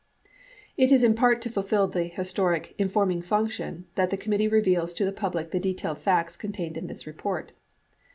It is in part to fulfill the historic "informing function" that the com mittee reveals to the public the detailed facts contained in this report.